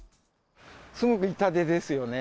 すごく痛手ですよね。